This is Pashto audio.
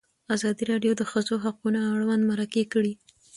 ازادي راډیو د د ښځو حقونه اړوند مرکې کړي.